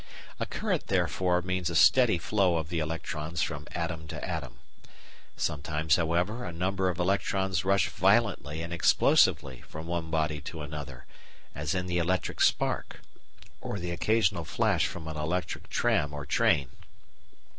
A current, therefore, means a steady flow of the electrons from atom to atom. Sometimes, however, a number of electrons rush violently and explosively from one body to another, as in the electric spark or the occasional flash from an electric tram or train.